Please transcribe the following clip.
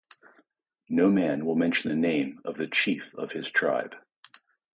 No man will mention the name of the chief of his tribe.